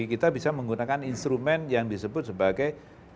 kita bisa menggunakan instrumen yang disebut sebagai